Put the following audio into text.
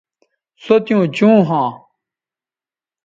سو تیوں چوں ھواں